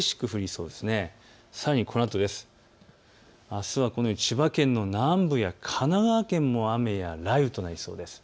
あすは千葉県の南部や神奈川県も雨や雷雨となりそうです。